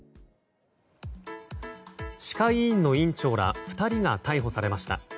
歯科医院の院長ら２人が逮捕されました。